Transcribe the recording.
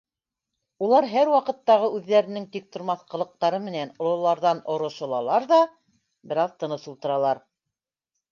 Улар һәр ваҡыттағы үҙҙәренең тиктормаҫ ҡылыҡтары менән ололарҙан орошолалар ҙа бер аҙ тыныс ултыралар.